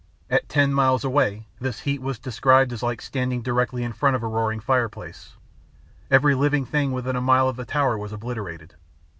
At ten miles away, this heat was described as like standing directly in front of a roaring fireplace. Every living thing within a mile of the tower was obliterated.